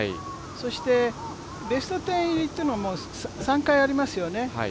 そしてベスト１０入りっていうのはもう、３回ありますよね。